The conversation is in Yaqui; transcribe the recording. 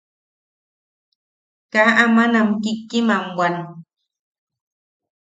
Kaa aman am kikkiman bwan.